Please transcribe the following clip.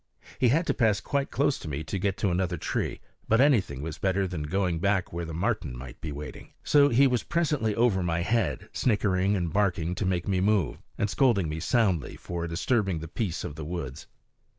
He had to pass quite close to me to get to another tree, but anything was better than going back where the marten might be waiting; so he was presently over my head, snickering and barking to make me move, and scolding me soundly for disturbing the peace of the woods.